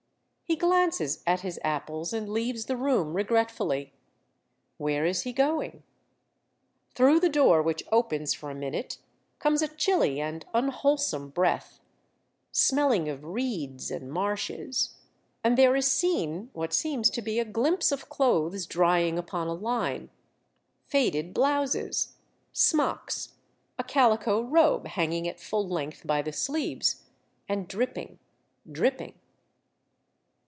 He glances at his apples, and leaves the room regretfully. Where is he going? Through the door which opens for a minute, comes a chilly and unwholesome breath, smelling of reeds and marshes, and there is seen what seems to be a glimpse of clothes drying upon a line, faded blouses, smocks, a calico robe hang ing at full length by the sleeves, and dripping, dripping.